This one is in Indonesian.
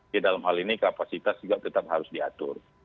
di dalam hal ini kapasitas juga tetap harus diatur